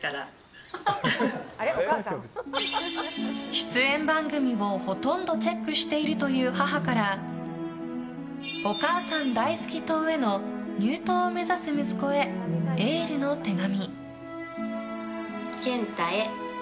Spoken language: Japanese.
出演番組を、ほとんどチェックしているという母からお母さん大好き党への入党を目指す息子へ、エールの手紙。